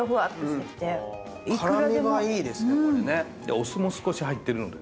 お酢も少し入ってるので。